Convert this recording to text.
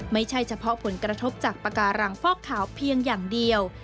ไม่ใช่เฉพาะผลกระทบจากปากการังฟอกขาวเพียงอย่างเดียว